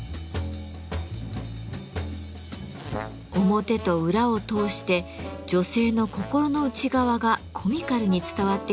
表と裏を通して女性の心の内側がコミカルに伝わってきます。